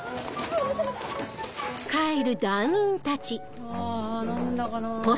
ああ何だかな。